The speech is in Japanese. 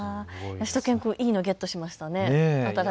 しゅと犬くん、いいのゲットしましたね。